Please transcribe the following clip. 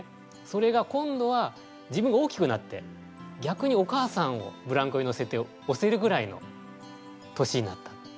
それが今度は自分が大きくなってぎゃくにお母さんをぶらんこにのせて押せるぐらいの年になったって。